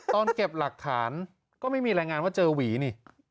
ตอนเก็บหลักฐานก็ไม่มีรายงานว่าเจอหวีนี่